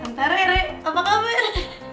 tante rere apa kabar